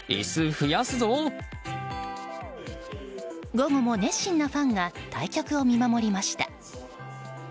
午後も熱心なファンが対局を見守りました。